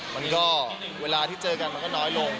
เวลาที่เจอกันมันก็น้อยลง